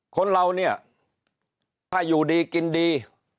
คนเราเนี่ยถ้าอยู่ดีกินดี